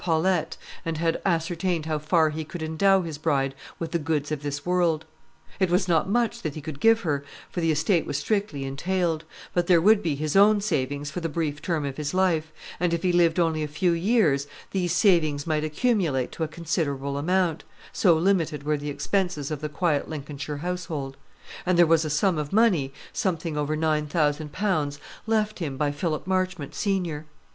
Paulette, and had ascertained how far he could endow his bride with the goods of this world. It was not much that he could give her, for the estate was strictly entailed; but there would be his own savings for the brief term of his life, and if he lived only a few years these savings might accumulate to a considerable amount, so limited were the expenses of the quiet Lincolnshire household; and there was a sum of money, something over nine thousand pounds, left him by Philip Marchmont, senior.